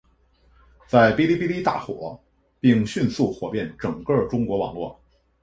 在哔哩哔哩大火并迅速火遍整个中国网络。